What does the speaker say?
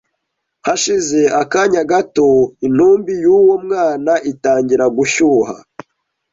Hashize akanya gato intumbi y’uwo mwana itangira gushyuha